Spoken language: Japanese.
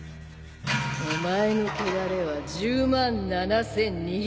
お前の穢れは１０万７，２３１。